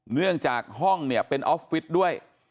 เนื่องจากห้องเนี่ยเป็นออฟฟิศด้วย